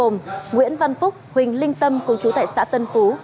ba đối tượng bị bắt giữ gồm nguyễn văn phúc huỳnh linh tâm cùng chú tại xã tân phú